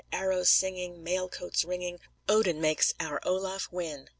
Arrows singing, Mail coats ringing, Odin makes our Olaf win!"